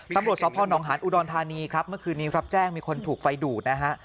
ตำรวจสพนหารอุดรธานีครับเมื่อคืนนี้รับแจ้งมีคนถูกไฟดูดนะฮะ